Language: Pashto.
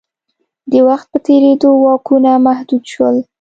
د وخت په تېرېدو واکونه محدود شول.